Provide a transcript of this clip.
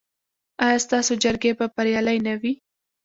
ایا ستاسو جرګې به بریالۍ نه وي؟